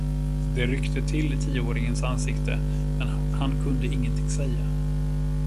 Det ryckte till i tioåringens ansikte, men han kunde ingenting säga.